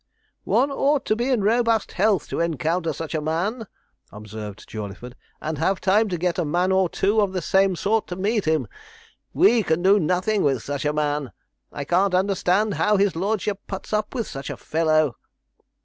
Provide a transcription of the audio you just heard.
'One ought to be in robust health to encounter such a man,' observed Jawleyford, 'and have time to get a man or two of the same sort to meet him. We can do nothing with such a man. I can't understand how his lordship puts up with such a fellow.'